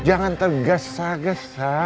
jangan tegas saja pak ustadz